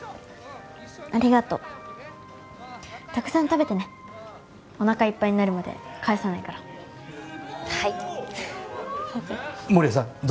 ありがとうたくさん食べてねおなかいっぱいになるまで帰さないからはい守屋さん